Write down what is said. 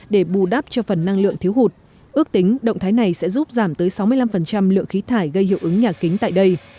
để bù đắp cho phần năng lượng thiếu hụt ước tính động thái này sẽ giúp giảm tới sáu mươi năm lượng khí thải gây hiệu ứng nhà kính tại đây